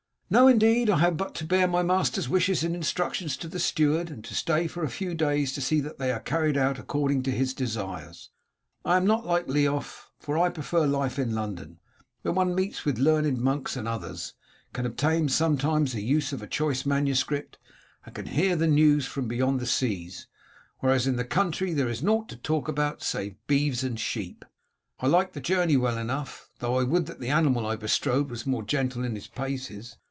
"No, indeed. I have but to bear my master's wishes and instructions to the steward, and to stay for a few days to see that they are carried out according to his desires. I am not like Leof, for I prefer life in London, where one meets with learned monks and others, can obtain sometimes the use of a choice manuscript, and can hear the news from beyond the seas, whereas in the country there is nought to talk about save beeves and sheep. I like the journey well enough, though I would that the animal I bestrode were more gentle in his paces.